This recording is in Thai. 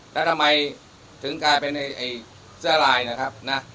แล้วทำไมถึงกลายเป็นไอ้เสื้อลายนะครับนะ